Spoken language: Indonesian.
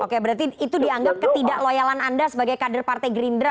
oke berarti itu dianggap ketidakloyalan anda sebagai kader partai gerindra